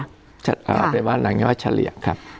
เป็นว่าอย่างนี้ว่าเฉลี่ยครับ